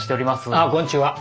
あっこんにちは。